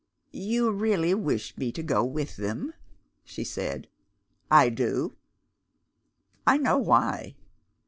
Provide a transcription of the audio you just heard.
"You really wish me to go with them?" she said. "I do." "I know why."